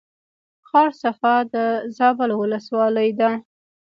ښار صفا د زابل ولسوالۍ ده